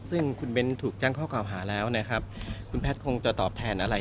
ซึ่งคุณเบ้นถูกแจ้งข้อกล่าวหาแล้วนะครับคุณแพทย์คงจะตอบแทนอะไร